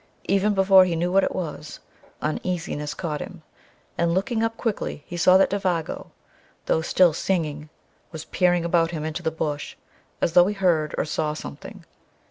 Even before he knew what it was, uneasiness caught him, and looking up quickly, he saw that Défago, though still singing, was peering about him into the Bush, as though he heard or saw something.